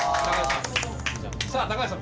さあ高橋さん